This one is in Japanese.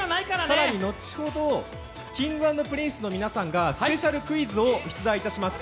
更に後ほどＫｉｎｇ＆Ｐｒｉｎｃｅの皆さんがスペシャルクイズを出題いたします。